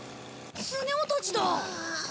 スネ夫たちだ。